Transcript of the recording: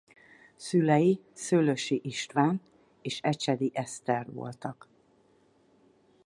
Szülei Szöllősi István és Ecsedi Eszter voltak.